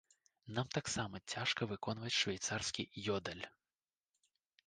Нам таксама цяжка выконваць швейцарскі ёдэль.